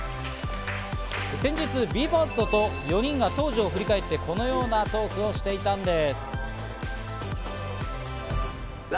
先日、ＢＥ：ＦＩＲＳＴと４人が当時を振り返って、このようなトークをしていたんです。